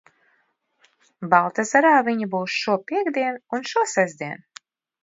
Baltezerā viņi būs šopiektdien un šosestdien.